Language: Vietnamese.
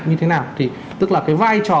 như thế nào tức là cái vai trò